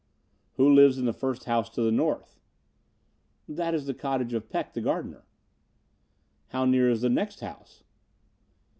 "Who lives in the first house to the north?" "That is the cottage of Peck, the gardener." "How near is the next house?"